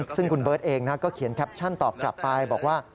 ซึ่งคุณเบิร์ตเองก็เขียนแคปชั่นตอบกลับไปบอกว่า